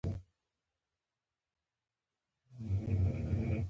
ښه شیبه مرګونې خاموشي وه، چې هېڅ ږغ نه و.